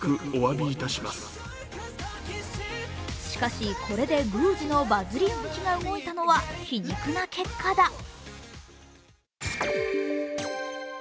しかし、これで宮司のバズり運気が動いたのは皮肉な結果だ。